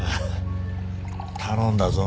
頼んだぞ。